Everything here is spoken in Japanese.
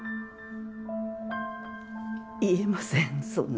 言えませんそんな。